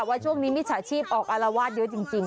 ว่าช่วงนี้มิจฉาชีพออกอารวาสเยอะจริง